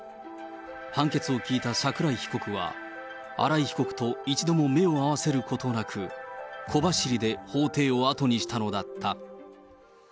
判決を聞いた桜井被告は、新井被告と一度も目を合わせることなく、小走りで法廷を後にしたのだった。